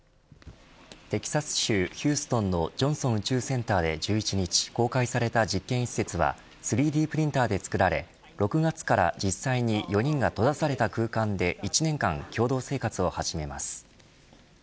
テキサス州ヒューストンのジョンソン宇宙センターで１１日公開された実験施設は４人が閉ざされた空間で１年間共同生活を始めます。